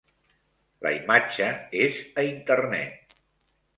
La imatge és a internet.